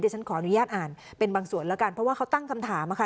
ฉันขออนุญาตอ่านเป็นบางส่วนแล้วกันเพราะว่าเขาตั้งคำถามค่ะ